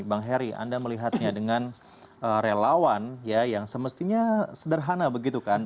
bang heri anda melihatnya dengan relawan ya yang semestinya sederhana begitu kan